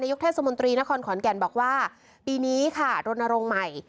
เทศมนตรีนครขอนแก่นบอกว่าปีนี้ค่ะรณรงค์ใหม่